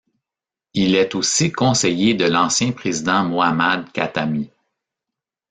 Il est aussi conseiller de l'ancien président Mohammad Khatami.